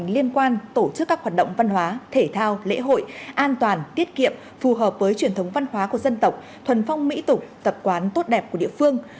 liên quan tổ chức các hoạt động văn hóa thể thao lễ hội an toàn tiết kiệm phù hợp với truyền thống văn hóa của dân tộc thuần phong mỹ tục tập quán tốt đẹp của địa phương